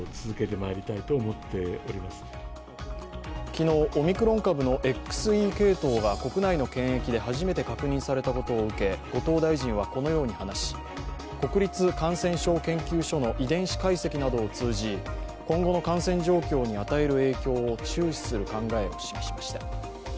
昨日、オミクロン株のＸＥ系統が国内の検疫で初めて確認されたことを受け後藤大臣はこのように話し国立感染症研究所の遺伝子解析などを通じ、今後の感染状況に与える影響を注視する考えを示しました。